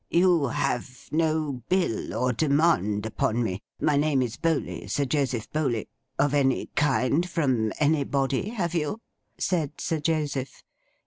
'You have no bill or demand upon me—my name is Bowley, Sir Joseph Bowley—of any kind from anybody, have you?' said Sir Joseph.